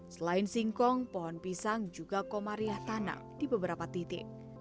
selain singkong pohon pisang juga komariah tanam di beberapa titik